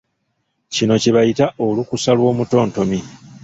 Kino kye bayita olukusa lw’omutontomi.